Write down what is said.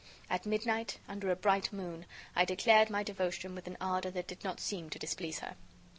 At midnight, under a bright moon, I declared my devotion with an ardor that did not seem to displease her.